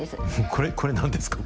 これ。